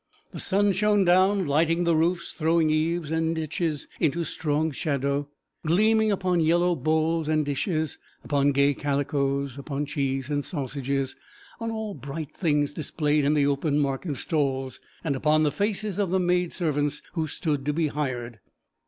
The sun shone down, lighting the roofs, throwing eaves and niches into strong shadow, gleaming upon yellow bowls and dishes, upon gay calicoes, upon cheese and sausages, on all bright things displayed on the open market stalls, and upon the faces of the maid servants who stood to be hired.